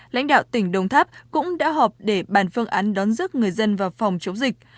lãnh đạo tỉnh đồng tháp cũng đã họp để bàn phương án đón dứt người dân vào phòng chống dịch